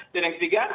dan yang ketiga